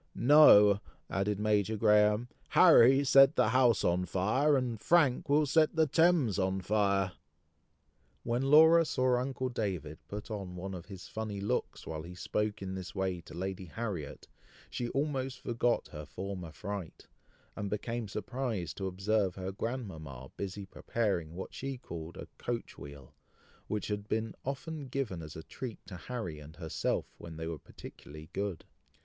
"No," added Major Graham; "Harry set the house on fire, and Frank will set the Thames on fire!" When Laura saw uncle David put on one of his funny looks, while he spoke in this way to Lady Harriet, she almost forgot her former fright, and became surprised to observe her grandmama busy preparing what she called a coach wheel, which had been often given as a treat to Harry and herself when they were particularly good.